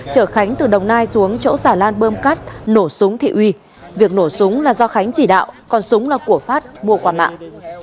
chở khánh từ đồng nai xuống chỗ xà lan bơm cắt nổ súng thị uy việc nổ súng là do khánh chỉ đạo còn súng là của phát mua qua mạng